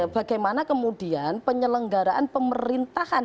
bagaimana kemudian penyelenggaraan pemerintahan